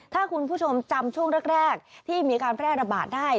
ถ้าคุณผู้ชมจำช่วงแรกที่มีการแพร่ระบาดได้